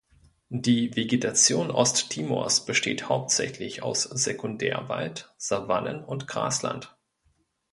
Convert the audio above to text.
Die Vegetation Osttimors besteht hauptsächlich aus Sekundärwald, Savannen und Grasland.